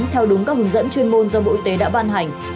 theo đúng các hướng dẫn chuyên môn do bộ y tế đã ban hành